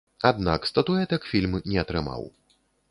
Аднак статуэтак фільм не атрымаў.